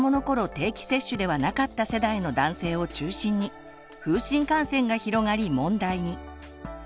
定期接種ではなかった世代の男性を中心に風疹感染が広がり問題に。